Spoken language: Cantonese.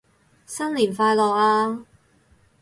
新年快樂啊